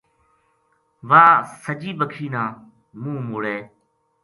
واہ سجی باکھی نا منہ موڑے